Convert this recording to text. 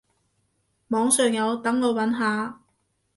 網上有，等我揾下